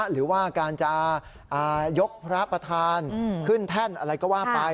หรือว่าการจะยกพระประธานขึ้นแท่นอะไรก็ว่าไป